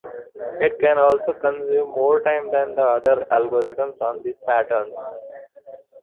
It can also consume more time than other algorithms on these patterns.